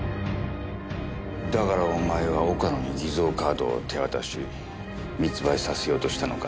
だからお前は岡野に偽造カードを手渡し密売させようとしたのか。